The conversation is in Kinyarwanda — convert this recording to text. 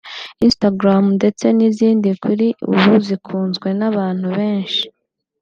Instagram ndetse nizindi kuri ubu zikunzwe n’ abantu benshi